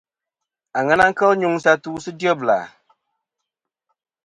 Aŋena kel nyuŋsɨ atu sɨ dyebla.